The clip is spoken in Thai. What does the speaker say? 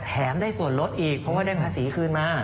ได้ส่วนลดอีกเพราะว่าได้ภาษีคืนมา